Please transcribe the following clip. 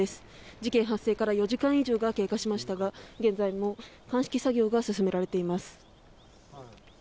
事件発生から４時間以上が経過しましたが現在も鑑識作業が進められています。